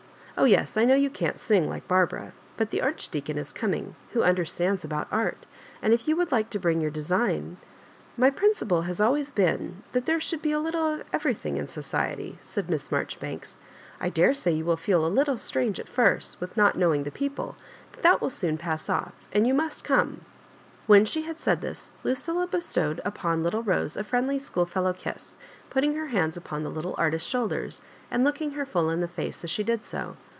Oh yes, I know you can't sing like Barbara. But the Archdeacon is com ing, who understands about art ; and if you would like to bring your desig n My principle has always been, that there should be a little of everything in sodety," sidd Miss Marjoribanks. '< I daresay you will feel a little strange at first with not knowing the people, but that will soon pass off «nd you mi»< come." When she had said iMa, Lucilla bestowed upon little Bose a friendly schoolfellow kiss, putting her hands upon the little artist's shoul ders, and looking her full in tiie face as she did 80.